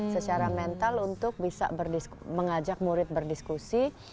secara mental untuk bisa mengajak murid berdiskusi